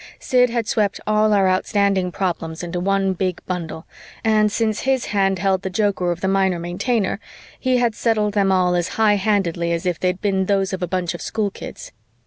Sid had swept all our outstanding problems into one big bundle and, since his hand held the joker of the Minor Maintainer, he had settled them all as high handedly as if they'd been those of a bunch of schoolkids.